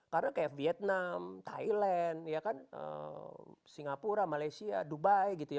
karena kayak vietnam thailand singapura malaysia dubai gitu ya